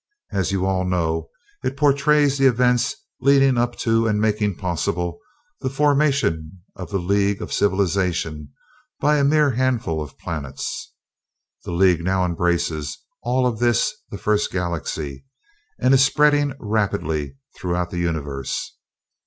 As you all know, it portrays the events leading up to and making possible the formation of the League of Civilization by a mere handful of planets. The League now embraces all of this, the First Galaxy, and is spreading rapidly throughout the Universe.